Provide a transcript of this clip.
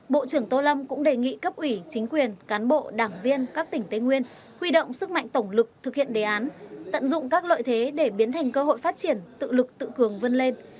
bộ trưởng tô lâm cũng đề nghị cấp ủy chính quyền cán bộ đảng viên các tỉnh tây nguyên huy động sức mạnh tổng lực thực hiện đề án tận dụng các lợi thế để biến thành cơ hội phát triển tự lực tự cường vân lên